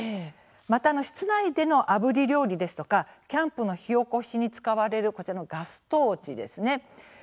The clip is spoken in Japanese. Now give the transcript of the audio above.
また室内でのあぶり料理ですとかキャンプの火おこしに使われるこちらのガストーチですね。